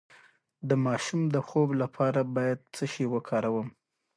د ماشوم د خوب لپاره باید څه شی وکاروم؟